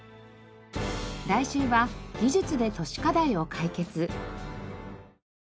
来週は「技術で都市課題を解決」。